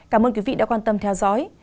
cảm ơn quý vị đã quan tâm theo dõi